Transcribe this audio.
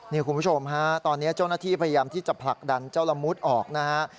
นี่คุณผู้ชมฮะตอนนี้เจ้าหน้าที่พยายามที่จะผลักดันเจ้าละมุดออกนะฮะ